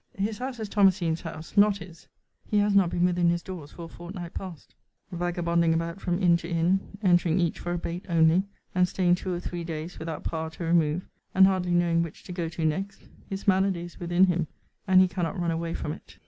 His house is Thomasine's house; not his. He has not been within his doors for a fortnight past. Vagabonding about from inn to inn; entering each for a bait only; and staying two or three days without power to remove; and hardly knowing which to go to next. His malady is within him; and he cannot run away from it.